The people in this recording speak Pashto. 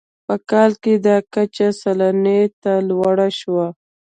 په کال کې دا کچه سلنې ته لوړه شوه.